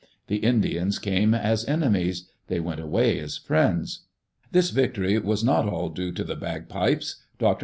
The Indians came as enemies. They went away as friends. This victory was not all due to the bagpipes. Dr.